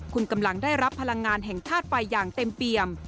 คุณกำลังได้รับพลังงานแห่งธาตุไฟอย่างเต็มเปี่ยม